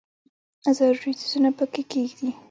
ضروري څیزونه پکې کښېږدي.